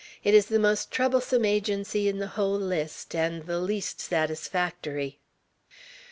"It is the most troublesome Agency in the whole list, and the least satisfactory."